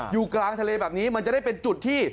อยู่กลางทะเลแบบนี้มันจะได้เป็นจุดที่